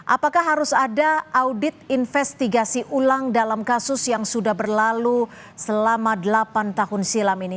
apakah harus ada audit investigasi ulang dalam kasus yang sudah berlalu selama delapan tahun silam ini